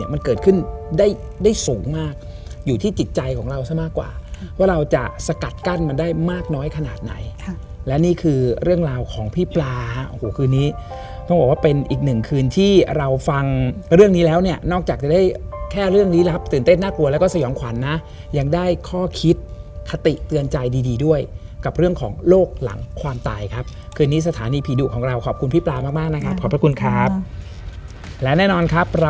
มันเกิดขึ้นได้สูงมากอยู่ที่จิตใจของเราซะมากกว่าว่าเราจะสกัดกั้นมันได้มากน้อยขนาดไหนและนี่คือเรื่องราวของพี่ปลาคืนนี้ต้องบอกว่าเป็นอีกหนึ่งคืนที่เราฟังเรื่องนี้แล้วเนี่ยนอกจากจะได้แค่เรื่องนี้แล้วครับตื่นเต้นน่ากลัวแล้วก็สยองขวัญนะยังได้ข้อคิดคติเตือนใจดีด้วยกับเรื่องของโลกหลังความตาย